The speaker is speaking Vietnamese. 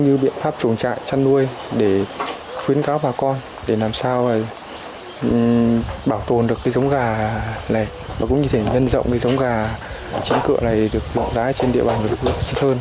gà này và cũng như thế nhân rộng cái giống gà trên cựa này được mở ra trên địa bàn của xuân sơn